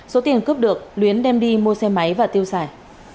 số tiền cướp được luyến đem đi mua xe máy và tiêu xài